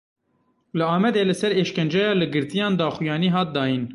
Li Amedê li ser êşkenceya li girtiyan daxuyanî hat dayîn.